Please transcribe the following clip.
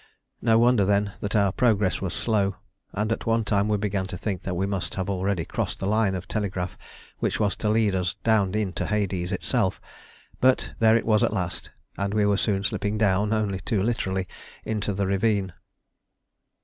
No wonder then that our progress was slow, and at one time we began to think that we must have already crossed the line of telegraph which was to lead us down into "Hades" itself. But there it was at last, and we were soon slipping down only too literally into the ravine.